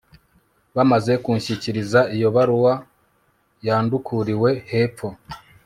bamaze kunshyikiriza iyo baruwa yandukuriwe hepfo